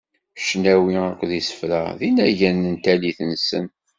Cnawi akked isefra d inagan n tallit-nsen.